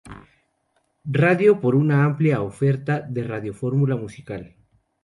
Radio por una amplia oferta de radiofórmula musical.